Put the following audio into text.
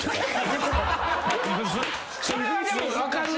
それはでも分かる。